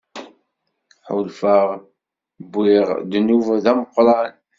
Ḥulfaɣ wwiɣ ddnub d ameqqran.